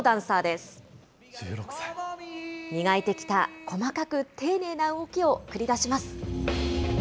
磨いてきた細かく丁寧な動きを繰り出します。